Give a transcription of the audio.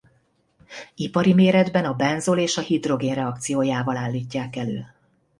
Ipari méretben a benzol és a hidrogén reakciójával állítják elő.